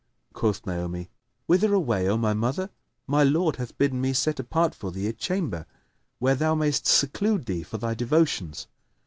Quoth Naomi, "Whither away, O my mother? My lord hath bidden me set apart for thee a chamber, where thou mayst seclude thee for thy devotions."